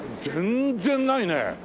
全然ないね。